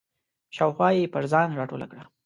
شاوخوا یې پر ځان راټوله کړه.